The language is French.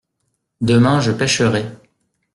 Demain je pêcherai.